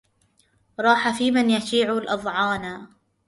راح فيمن يشيع الأظعانا